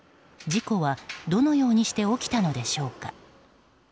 事故は、どのようにして起きたのでしょうか。